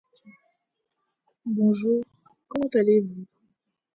Elle met en ballottage son adversaire présent depuis plusieurs décennies.